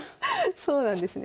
そうなんですね。